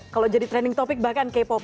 kalau jadi trending topic bahkan k pop